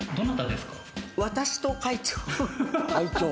私と会長。